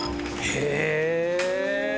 へえ。